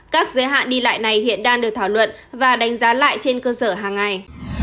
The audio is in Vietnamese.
các giới hạn đi lại này hiện đang được thảo luận và đánh giá lại trên cơ sở hàng ngày